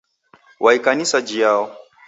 Wa ikanisa jhiao?